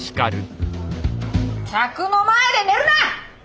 客の前で寝るな！